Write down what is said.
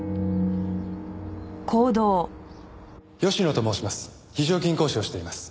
吉野と申します。